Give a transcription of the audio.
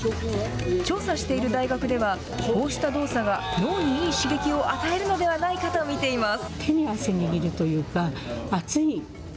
調査している大学では、こうした動作が脳にいい刺激を与えるのではないかと見ています。